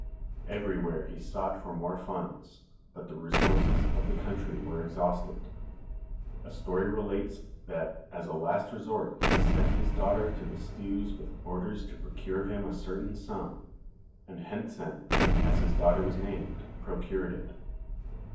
Everywhere he sought for more funds, but the resources of the country were exhausted. A story relates that "as a last resort he sent his daughter to the stews with orders to procure him a certain sum/ 1 and Kent sen, as his daughter was named, procured it.